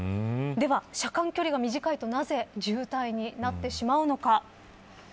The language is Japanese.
では、車間距離が短いとなぜ渋滞になってしまうのか。